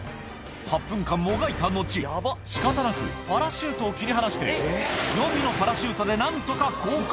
８分間もがいた後、しかたなく、パラシュートを切り離して予備のパラシュートでなんとか降下。